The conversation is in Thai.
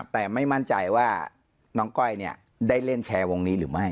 แต่ไม่มั่นใจว่าน้องก้อยได้เล่นแชร์วงนี้หรือไม่